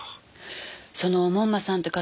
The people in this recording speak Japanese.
その門馬さんて方